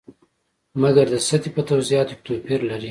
مګر د سطحې په توضیحاتو کې توپیر لري.